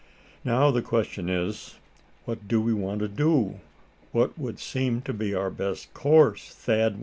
"Now, the question is, what do we want to do what would seem to be our best course?"